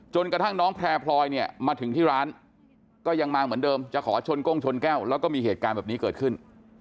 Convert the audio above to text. กระทั่งน้องแพร่พลอยเนี่ยมาถึงที่ร้านก็ยังมาเหมือนเดิมจะขอชนก้งชนแก้วแล้วก็มีเหตุการณ์แบบนี้เกิดขึ้น